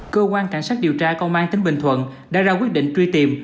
cơ quan cảnh sát điều tra công an tỉnh bình thuận đã ra quyết định truy tìm